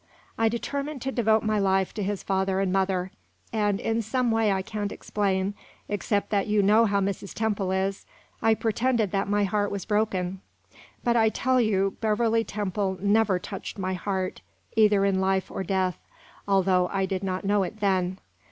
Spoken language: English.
I determined to devote my life to his father and mother; and, in some way I can't explain, except that you know how Mrs. Temple is, I pretended that my heart was broken; but I tell you, Beverley Temple never touched my heart, either in life or death, although I did not know it then.